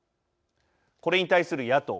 これに対する野党。